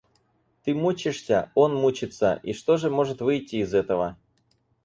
Ты мучишься, он мучится, и что же может выйти из этого?